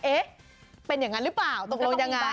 เอ๊ะเป็นอย่างนั้นหรือเปล่าตกลงยังไง